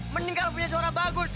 mending kau punya suara bagut